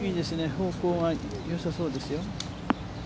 方向がよさそうですよ。